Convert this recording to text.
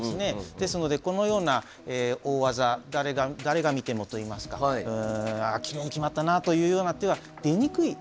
ですのでこのような大技誰が見てもといいますかきれいに決まったなというような手は出にくいことなんですね。